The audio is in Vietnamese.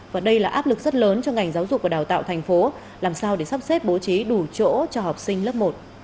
và đây là áp lực rất lớn cho ngành giáo dục và đào tạo thành phố làm sao để sắp xếp bố trí đủ chỗ cho học sinh lớp một